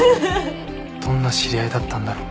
どんな知り合いだったんだろう？